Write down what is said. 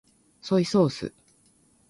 ソイソース